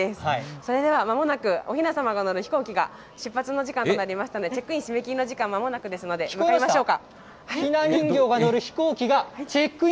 それでは、まもなくおひなさまが乗る飛行機が出発の時間となりましたので、チェックイン締め切りの時間まもなくですので、向かいましょうか。